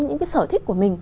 những cái sở thích của mình